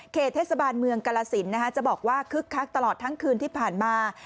เทศบาลเมืองกรสินจะบอกว่าคึกคักตลอดทั้งคืนที่ผ่านมา